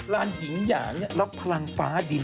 ลานหินหยางรับพลังฟ้าดิน